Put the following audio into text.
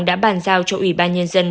đã bàn giao cho ủy ban nhân dân